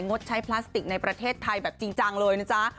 งดใช้พลาสติกในประเทศไทยแบบจริงจังเลยนะจ๊ะ